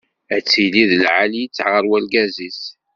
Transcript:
Ad tili d lεali-tt ɣer urgaz-is.